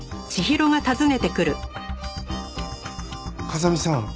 風見さん